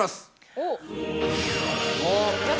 おっ！